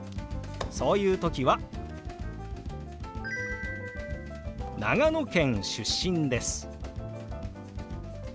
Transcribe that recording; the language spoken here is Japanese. そういう時は「長野県出身です」